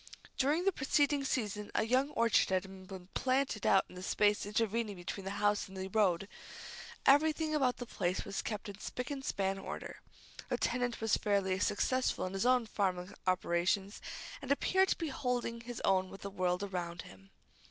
During the preceding season a young orchard had been planted out in the space intervening between the house and the road. Everything about the place was kept in spick and span order. The tenant was fairly successful in his farming operations, and appeared to be holding his own with the world around him.